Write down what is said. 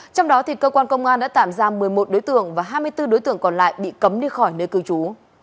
trong đó cơ quan công an đã tạm giam một mươi một đối tượng và hai mươi bốn đối tượng còn lại bị cấm đi khỏi nơi cư trú